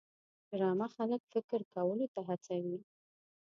ډرامه خلک فکر کولو ته هڅوي